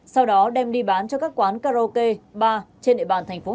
sau đó đem đi bán cho các quán karaoke ba trên địa bàn tp hcm